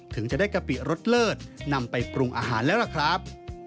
ถึงจะได้กะปิรสเลิศนำไปปรุงอาหารแล้วล่ะครับ